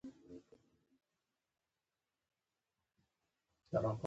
د افغانستان د اقتصادي پرمختګ لپاره پکار ده چې نندارتون وي.